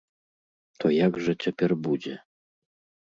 То як жа цяпер будзе?